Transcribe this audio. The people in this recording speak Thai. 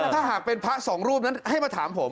ถ้าหากเป็นพระสองรูปนั้นให้มาถามผม